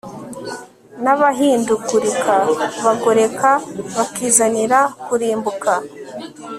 nabahindugurika bagoreka bakizanira kurimbuka